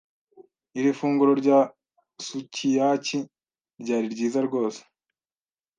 Iri funguro rya sukiyaki ryari ryiza rwose.